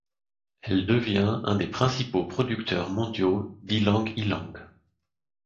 Elle devient un des principaux producteurs mondiaux d'ylang-ylang.